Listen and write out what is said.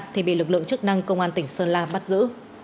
thì bị lực lượng chức năng công an tỉnh sơn la bắt giữ